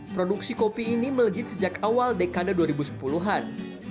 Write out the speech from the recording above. produksi kopi ini melejit sejak awal dekade dua ribu sepuluh an